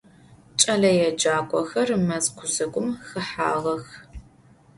Ç'eleêcak'oxer mez guzegum xehağex.